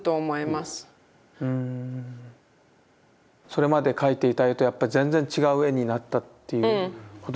それまで描いていた絵とやっぱ全然違う絵になったといううん。